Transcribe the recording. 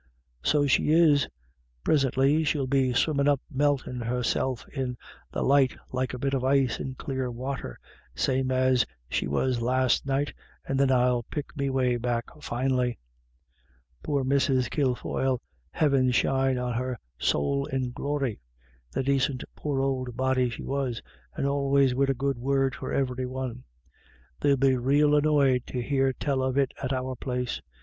"So she is. Prisintly she'll be swimmin* up meltin' herself in the light like a bit of ice in clear water, same as she was last night, and then I'll pick me way back finely. Poor Mrs. Kilfoyle. Heaven shine on her sowl in glory. The dacint poor old body she was, and always wid a good word for ivery one. They'll be rael annoyed to hear tell of it at our place.